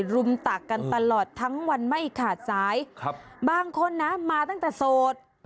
รุมตักกันตลอดทั้งวันไม่ขาดสายบางคนนะมาตั้งแต่โสด